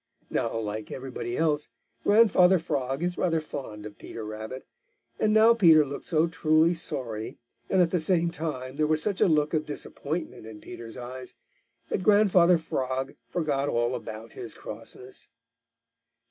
Now, like everybody else, Grandfather Frog is rather fond of Peter Rabbit, and now Peter looked so truly sorry, and at the same time there was such a look of disappointment in Peter's eyes, that Grandfather Frog forgot all about his crossness.